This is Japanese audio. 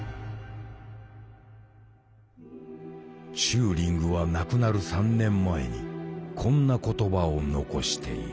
チューリングは亡くなる３年前にこんな言葉を残している。